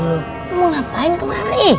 mau ngapain tuh ari